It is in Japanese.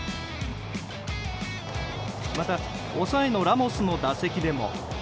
また抑えのラモスの打席でも。